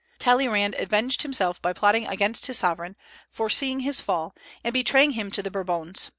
Talleyrand avenged himself by plotting against his sovereign, foreseeing his fall, and by betraying him to the Bourbons.